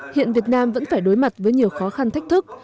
hiện việt nam vẫn phải đối mặt với nhiều khó khăn thách thức